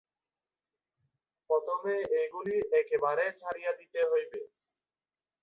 প্রথমে এইগুলি একেবারে ছাড়িয়া দিতে হইবে।